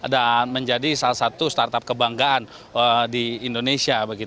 dan menjadi salah satu startup kebanggaan di indonesia